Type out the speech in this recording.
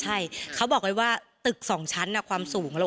ใช่เขาบอกไว้ว่าตึก๒ชั้นความสูง